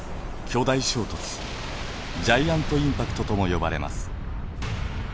巨大衝突ジャイアントインパクトとも呼ばれます。